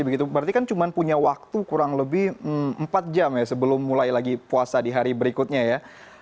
berarti kan cuma punya waktu kurang lebih empat jam ya sebelum mulai lagi puasa di hari berikutnya ya